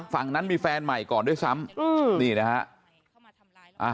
ฝั่งนั้นมีแฟนใหม่ก่อนด้วยซ้ำนี่นะฮะ